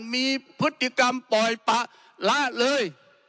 มีพฤติกรรมปล่อยปะละเลย